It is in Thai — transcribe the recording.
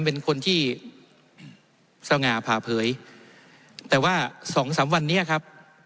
เป็นคนที่ทราบหงาผ่าเพย๋ยแต่ว่าสองสำวันนี้ครับ